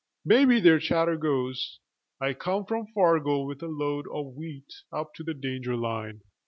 Maybe their chatter goes:I came from Fargo with a load of wheat up to the danger line.